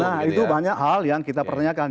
nah itu banyak hal yang kita pertanyakan